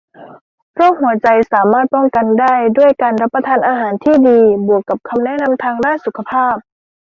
โรคหัวใจสามารถป้องกันได้ด้วยการรับประทานอาหารที่ดีบวกกับคำแนะนำทางด้านสุขภาพ